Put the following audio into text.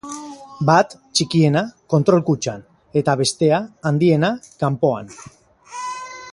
Bat, txikiena, kontrol kutxan, eta bestea, handiena, kanpoan.